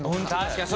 確かに！